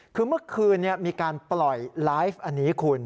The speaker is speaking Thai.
คือเมื่อคืนมีการปล่อยไลฟ์อันนี้คุณ